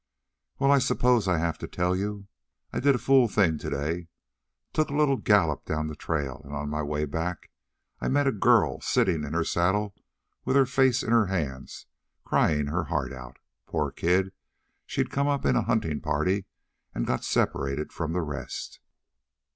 "Well, I suppose I have to tell you. I did a fool thing today. Took a little gallop down the trail, and on my way back I met a girl sitting in her saddle with her face in her hands, crying her heart out. Poor kid! She'd come up in a hunting party and got separated from the rest.